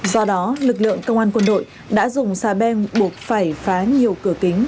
do đó lực lượng công an quân đội đã dùng xà beng buộc phải phá nhiều cửa kính